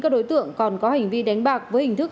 các đối tượng còn có hành vi đánh bạc với hình thức